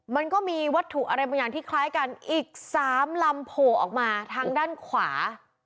มันก็มีวัตถุอะไรบางอย่างที่คล้ายกันอีก๓ลำโผล่ออกมาทางด้านขวา